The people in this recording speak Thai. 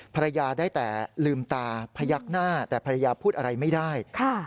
ภรรยาได้แต่ลืมตาพยักหน้าแต่ภรรยาพูดอะไรไม่ได้